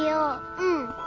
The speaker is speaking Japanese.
うん。